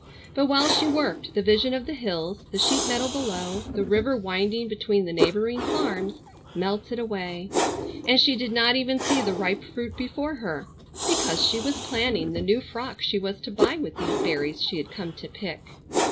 But while she worked the vision of the hills, the sheep meadow below, the river winding between the neighboring farms, melted away, and she did not even see the ripe fruit before her, because she was planning the new frock she was to buy with these berries she had come to pick.